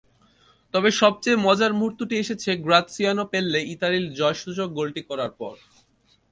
তবে সবচেয়ে মজার মুহূর্তটি এসেছে গ্রাৎসিয়ানো পেল্লে ইতালির জয়সূচক গোলটি করার পর।